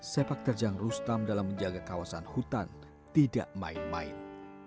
sepak terjang rustam dalam menjaga kawasan hutan tidak main main